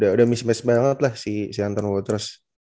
udah mismatch banget lah si anton wathos